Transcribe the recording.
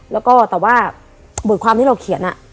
แล้วก็แต่ว่าบทความที่เราเขียน